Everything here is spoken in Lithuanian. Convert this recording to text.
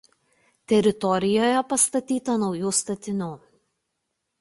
Teritorijoje pastatyta naujų statinių.